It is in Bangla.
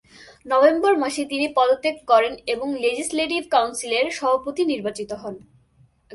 নভেম্বর মাসে তিনি পদত্যাগ করেন এবং লেজিসলেটিভ কাউন্সিলের সভাপতি নির্বাচিত হন।